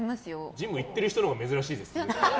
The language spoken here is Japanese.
ジム行ってる人のほうが珍しいです。